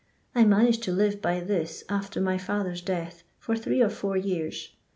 I managed to live by this afier my father's death for three or four years.